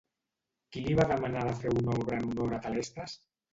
Qui li va demanar de fer una obra en honor a Telestes?